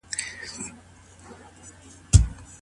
ولي بايد له زوم سره يوازې خبرې وسي؟